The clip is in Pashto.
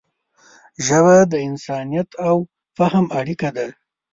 ژبه د انسانیت او فهم اړیکه ده